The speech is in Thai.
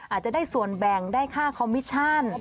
อาจจะได้ส่วนแบ่งได้ค่าคอมมิชชั่น